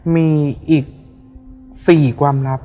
มีอีก๔ความลับ